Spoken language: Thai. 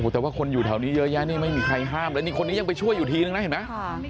แต่ว่าคนอยู่แถวนี้เยอะแยะนี่ไม่มีใครห้ามแล้วนี่คนนี้ยังไปช่วยอยู่ทีนึงนะเห็นไหม